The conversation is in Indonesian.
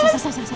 ini gak bales